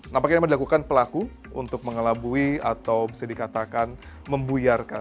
nampaknya memang dilakukan pelaku untuk mengelabui atau bisa dikatakan membuyarkan